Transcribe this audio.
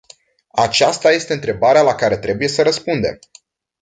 Aceasta este întrebarea la care trebuie să răspundem.